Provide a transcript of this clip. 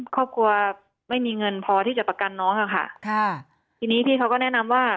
ครอบครัวไม่มีเงินพอที่จะประกันน้องค่ะทีนี้พี่เขาก็แนะนำว่า